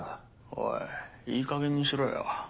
おいいいかげんにしろよ。